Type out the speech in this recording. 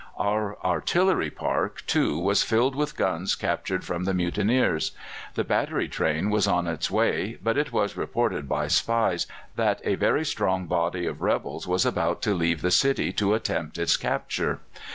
Our artillery park, too, was filled with guns captured from the mutineers. The battery train was on its way, but it was reported by spies that a very strong body of rebels was about to leave the city to attempt its capture.